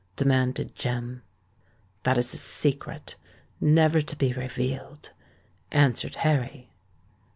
demanded Jem. "That is a secret—never to be revealed," answered Harry.